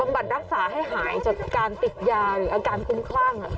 บัดรักษาให้หายจากการติดยาหรืออาการคุ้มคลั่ง